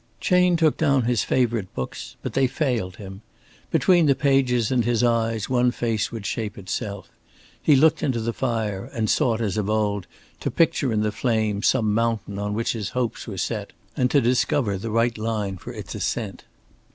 Chayne took down his favorite books, but they failed him. Between the pages and his eyes one face would shape itself. He looked into the fire and sought as of old to picture in the flames some mountain on which his hopes were set and to discover the right line for its ascent.